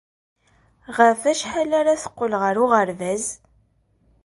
Ɣef wacḥal ara teqqel ɣer uɣerbaz?